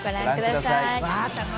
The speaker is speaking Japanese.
ぜひご覧ください。